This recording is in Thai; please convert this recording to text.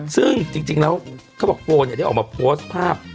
ซึ่งจริงจริงแล้วเขาบอกโฟร์เนี้ยเดี๋ยวออกมาโพสต์ภาพ